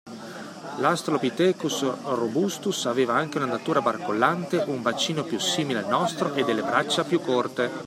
L'Astralopithecus Robustus aveva anche un'andatura barcollante, un bacino più simile al nostro e delle braccia più corte.